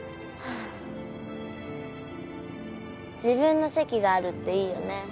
自分の席があるっていいよね。